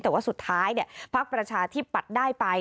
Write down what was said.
แต่ว่าสุดท้ายเนี่ยภาคประชาที่ปัดได้ไป